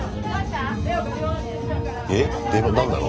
えっで何なの？